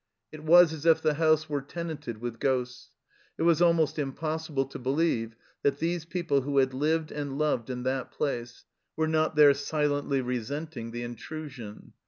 It was THE RETREAT 67 as if the house were tenanted with ghosts ; it was almost impossible to believe that these people who had lived and loved in that place were not there silently resenting the intrusion.